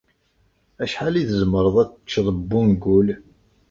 Acḥal i tzemreḍ ad teččeḍ n ungul?